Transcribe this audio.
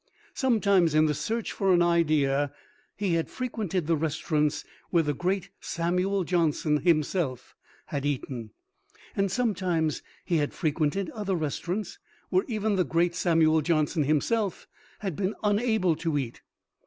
Sometimes in the search for an idea he had frequented the restaurants where the great Samuel Johnson himself had eaten, and sometimes he had frequented other restaurants where even the great Samuel Johnson himself had been unable to eat.